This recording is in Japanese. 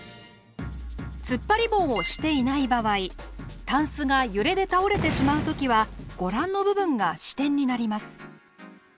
つっぱり棒をしていない場合タンスが揺れで倒れてしまう時はご覧の部分が支点になります。